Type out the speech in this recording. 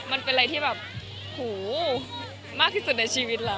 มันเป็นอะไรที่แบบหูมากที่สุดในชีวิตเรา